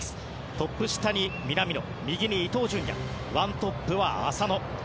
トップ下に南野、右に伊東純也１トップは浅野。